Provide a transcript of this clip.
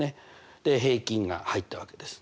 で平均が入ったわけです。